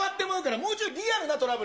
もうちょいリアルなトラブル。